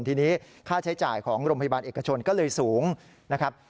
ทีนี้ค่าใช้จ่ายของโรงพยาบาลเอกชนก็เลยสูงนะครับ